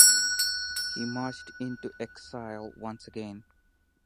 He marched into exile once again.